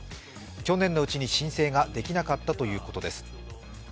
去年のうちに申請ができなかったということです。